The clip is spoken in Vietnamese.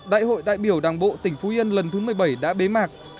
đại hội đại biểu đảng bộ tỉnh phú yên lần thứ một mươi bảy đã bế mạc